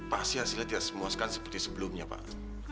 pasti hasilnya tidak semuaskan seperti sebelumnya pak